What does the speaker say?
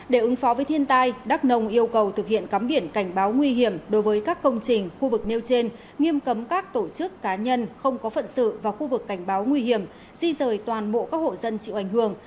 để ứng phó với thiên tai đắk nông yêu cầu thực hiện cắm biển cảnh báo nguy hiểm đối với các công trình khu vực nêu trên nghiêm cấm các tổ chức cá nhân không có phận sự vào khu vực cảnh báo nguy hiểm di rời toàn bộ các hộ dân chịu ảnh hưởng